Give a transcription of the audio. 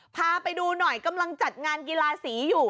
พาไปดูหน่อยกำลังจัดงานกีฬาสีอยู่